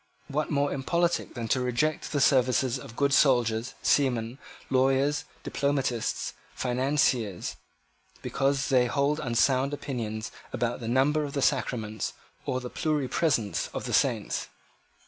What more impolitic than to reject the services of good soldiers, seamen, lawyers, diplomatists, financiers, because they hold unsound opinions about the number of the sacraments or the pluripresence of saints?